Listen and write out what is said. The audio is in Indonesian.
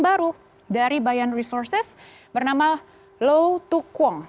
baru dari bayan resources bernama lo tukwong